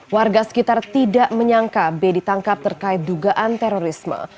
warga sekitar tidak menyangka b ditangkap terkait dugaan terorisme